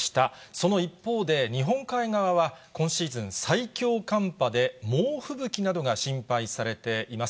その一方で、日本海側は今シーズン最強寒波で、猛吹雪などが心配されています。